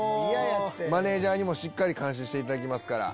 マネジャーにもしっかり監視していただきます。